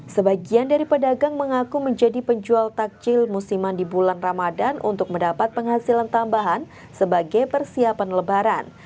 sebagian dari pedagang mengaku menjadi penjual takjil musiman di bulan ramadan untuk mendapat penghasilan tambahan sebagai persiapan lebaran